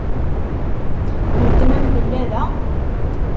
Weltma-m tella da?